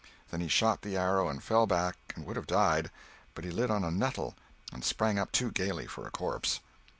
Then he shot the arrow and fell back and would have died, but he lit on a nettle and sprang up too gaily for a corpse.